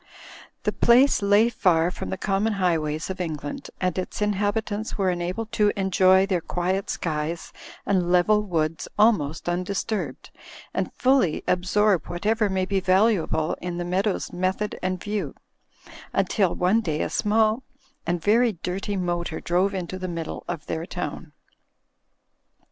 The place lay far from the common highways of Eng land, and its inhabitants were enabled to enjoy their quiet skies and level woods almost undisturbed, and fully absorb whatever may be valuable in the Meadows method and view; until one day a small and very dirty Digitized by CjOOQ IC THE REPUBLIC OF PEACEWAYS 223 motor drove into the middle of their town.